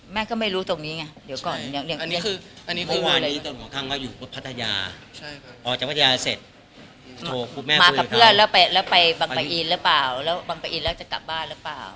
มากับเพื่อนแล้วไปบำปะอีนแล้วจะกลับบ้านละเปล่า